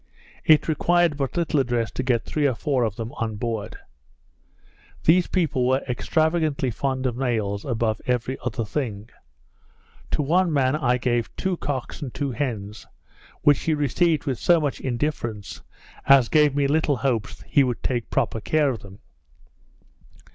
It required but little address to get three or four of them on board. These people were extravagantly fond of nails above every other thing. To one man I gave two cocks and two hens, which he received with so much indifference, as gave me little hopes he would take proper care of them.